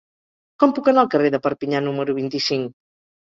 Com puc anar al carrer de Perpinyà número vint-i-cinc?